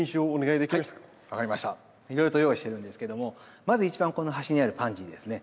いろいろと用意してるんですけどもまず一番この端にあるパンジーですね。